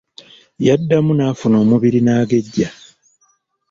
Yaddamu n'afuna omubiri n'agejja.